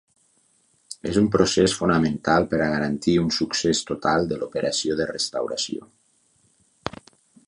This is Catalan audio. És un procés fonamental per a garantir un succés total de l'operació de restauració.